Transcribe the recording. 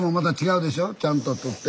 ちゃんと取って。